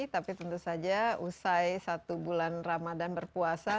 tapi tentu saja usai satu bulan ramadan berpuasa